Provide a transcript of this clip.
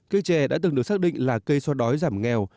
cây trẻ đã từng được xác định là cây xoa đói giảm nghèo